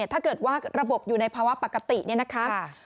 ถ้าเกิดว่าระบบอยู่ในภาวะปกติเนี่ยนะคะ